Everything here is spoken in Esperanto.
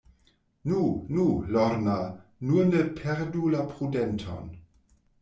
Nu, nu, Lorna, nur ne perdu la prudenton.